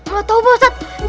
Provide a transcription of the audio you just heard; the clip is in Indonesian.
gak tau pak ustadz